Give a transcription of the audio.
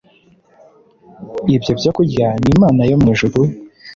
ibyo byokurya Ni Imana yo mu ijuru